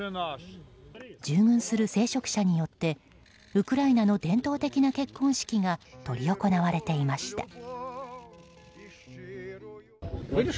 従軍する聖職者によってウクライナの伝統的な結婚式が執り行われていました。